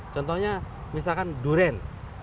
contohnya misalkan durian